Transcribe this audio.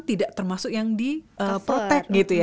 tidak termasuk yang diprotek